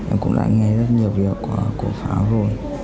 em cũng đã nghe rất nhiều việc cổ pháo rồi